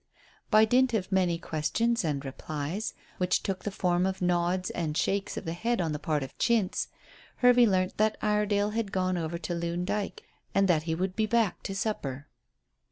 By dint of many questions and replies, which took the form of nods and shakes of the head on the part of Chintz, Hervey learnt that Iredale had gone over to Loon Dyke, but that he would be back to supper.